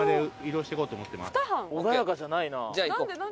穏やかじゃないな。